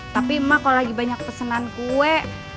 tapi mak kalau lagi banyak pesenan kue